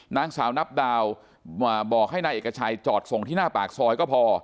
นางสาวนับดาวบอกให้นายเอกชัยจอดส่งที่หน้าปากซอยก็พอ